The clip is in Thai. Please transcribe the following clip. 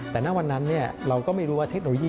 แต่ณวันนั้นเราก็ไม่รู้ว่าเทคโนโลยี